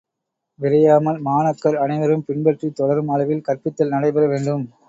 விரையாமல், மாணாக்கர் அனைவரும் பின்பற்றித் தொடரும் அளவில் கற்பித்தல் நடைபெற வேண்டும்.